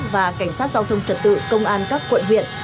và cảnh sát giao thông trật tự công an các quận huyện